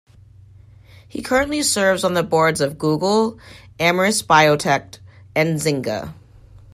He currently serves on the boards of Google, Amyris Biotech, and Zynga.